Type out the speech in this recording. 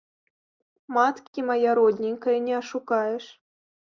Маткі, мая родненькая, не ашукаеш.